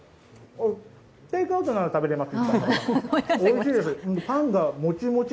テイクアウトなら食べれます。